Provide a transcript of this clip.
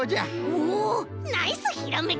おおナイスひらめき！